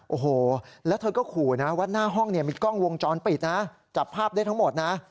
โอ้โหแล้วเธอก็ขู่นะว่าหน้าห้องเนี่ยมีกล้องวงจรปิดนะจับภาพได้ทั้งหมดนะ